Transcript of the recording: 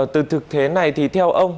từ thực thế này thì theo ông